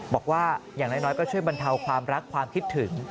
บอกว่าอย่างน้อยก็ช่วยบรรเทาความรักความคิดถึง